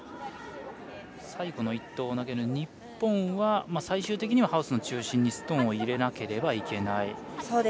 最後の１投を投げる日本は最終的にはハウスの中心にストーンを入れなければいけない。